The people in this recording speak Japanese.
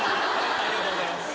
・ありがとうございます